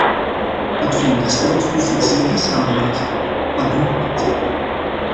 Het veronderstelt dus een zekere samenwerking van hun kant.